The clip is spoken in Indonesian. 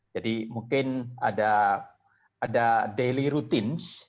jadi mungkin ada daily routines